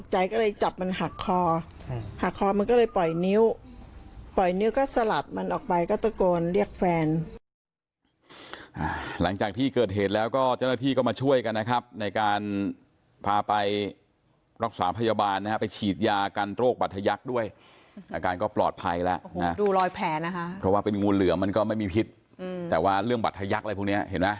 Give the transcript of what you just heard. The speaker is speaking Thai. จับมันหักคอหักคอมันก็เลยปล่อยนิ้วปล่อยนิ้วก็สลับมันออกไปก็ตะโกนเรียกแฟนหลังจากที่เกิดเหตุแล้วก็เจ้าหน้าที่ก็มาช่วยกันนะครับในการพาไปรักษาพยาบาลนะฮะไปฉีดยากันโรคบัตรทยักษ์ด้วยอาการก็ปลอดภัยแล้วดูรอยแผลนะคะเพราะว่าเป็นงูเหลือมมันก็ไม่มีพิษแต่ว่าเรื่องบัตรทยักษ์